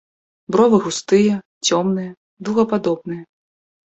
Бровы густыя, цёмныя, дугападобныя.